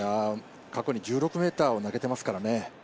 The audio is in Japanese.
過去に１６ｍを投げてますからね。